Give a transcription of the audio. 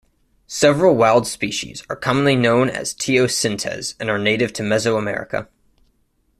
Several wild species are commonly known as teosintes and are native to Mesoamerica.